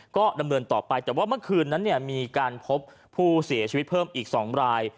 ก็ดำเนินต่อไปแต่ว่าเมื่อคืนนั้นมีการพบผู้เสียชีวิตเพิ่มอีก๒ราย